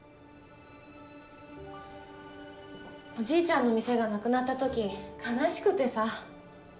おじいちゃんの店がなくなった時悲しくてさ。